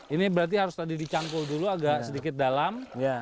ini berarti harus tadi dicangkul dulu agak sedikit dalam